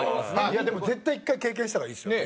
でも絶対１回経験した方がいいですよ